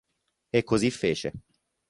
E così fece.